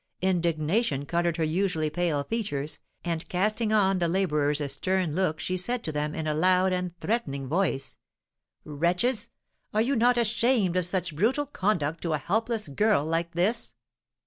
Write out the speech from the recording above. Indignation coloured her usually pale features, and casting on the labourers a stern look she said to them, in a loud and threatening voice: "Wretches! Are you not ashamed of such brutal conduct to a helpless girl like this?"